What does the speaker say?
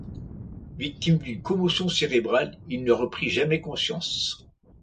Victime d’une commotion cérébrale, il ne reprit jamais conscience.